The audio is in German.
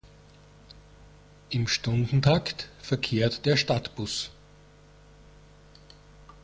Im Stundentakt verkehrt der Stadtbus.